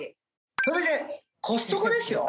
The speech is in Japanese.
それでコストコですよ